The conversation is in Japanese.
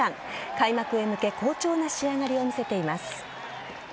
開幕へ向け好調な仕上がりを見せています。